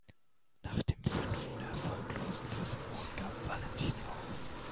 Nach dem fünften erfolglosen Versuch gab Valentin auf.